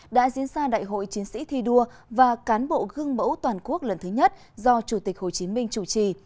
đã diễn ra đại hội chiến sĩ thi đua và cán bộ gương mẫu toàn quốc lần thứ nhất do chủ tịch hồ chí minh chủ trì